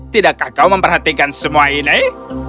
tidakkah kau memperhatikan semua ini